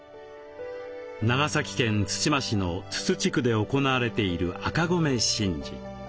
長崎県対馬市の豆酘地区で行われている「赤米神事」。